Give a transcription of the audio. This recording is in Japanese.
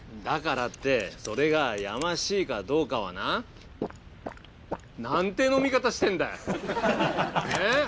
だからってそれがやましいかどうかはな。なんて飲み方してんだよ！えっ？